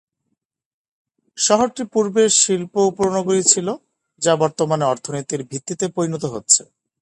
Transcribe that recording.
শহরটি পূর্বে শিল্প উপনগরী ছিল, যা বর্তমানে অর্থনীতির ভিত্তিতে পরিণত হচ্ছে।